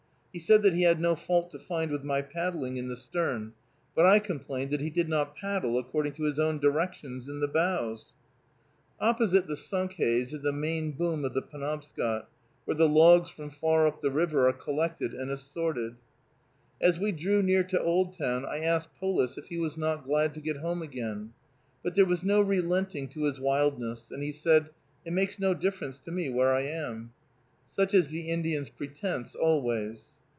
He said that he had no fault to find with my paddling in the stern, but I complained that he did not paddle according to his own directions in the bows. Opposite the Sunkhaze is the main boom of the Penobscot, where the logs from far up the river are collected and assorted. As we drew near to Oldtown I asked Polis if he was not glad to get home again; but there was no relenting to his wildness, and he said, "It makes no difference to me where I am." Such is the Indian's pretense always.